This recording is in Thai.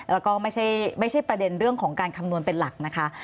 แล้วก็ไม่ใช่ประเด็นเรื่องของการคำนวณเป็นหลักนะคะ